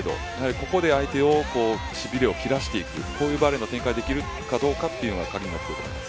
ここで相手をしびれを切らしていくこういうバレーが展開できるかどうかというのが鍵になってくると思います。